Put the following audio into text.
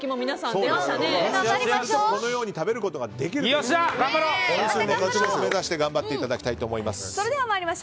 勝てばこのように食べることができるので優勝目指して頑張っていただきたいと思います。